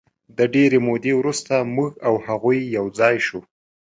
د ډېرې مودې وروسته موږ او هغوی یو ځای شوو.